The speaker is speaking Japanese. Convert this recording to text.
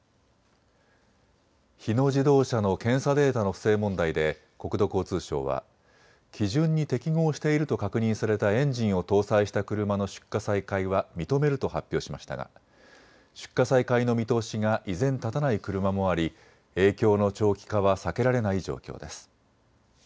日野自動車の検査データの不正問題で国土交通省は基準に適合していると確認されたエンジンを搭載した車の出荷再開は認めると発表しましたが出荷再開の見通しが依然、立たない車もあり影響の長期化は避けられない状況です。